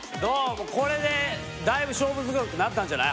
もうこれでだいぶ勝負強くなったんじゃない？